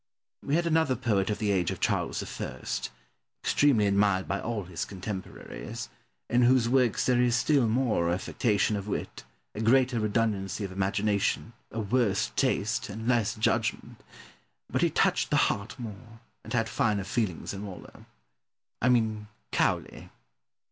We had another poet of the age of Charles I., extremely admired by all his contemporaries, in whose works there is still more affectation of wit, a greater redundancy of imagination, a worse taste, and less judgment; but he touched the heart more, and had finer feelings than Waller. I mean Cowley.